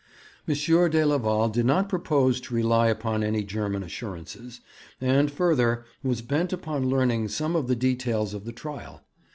M. de Leval did not propose to rely upon any German assurances, and, further, was bent upon learning some of the details of the trial.